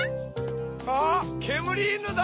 あっけむりいぬだ！